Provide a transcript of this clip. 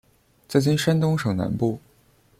在今山东省南部。